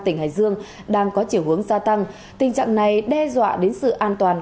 tỉnh hải dương đang có chiều hướng gia tăng tình trạng này đe dọa đến sự an toàn